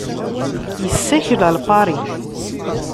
Yessakel ɣer Paris.